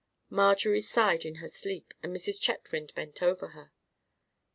Marjorie sighed in her sleep, and Mrs. Chetwynd bent over her.